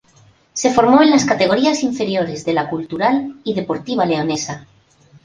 Se formó en las categorías inferiores de la Cultural y Deportiva Leonesa.